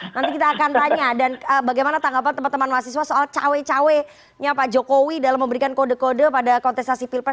nanti kita akan tanya dan bagaimana tanggapan teman teman mahasiswa soal cawe cawe nya pak jokowi dalam memberikan kode kode pada kontestasi pilpres